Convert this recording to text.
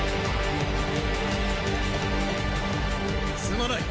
すまない！